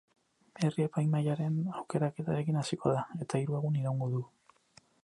Herri-epaimahaiaren aukeraketarekin hasiko da, eta hiru egun iraungo du.